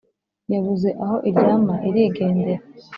Yabuze aho iryama irigendera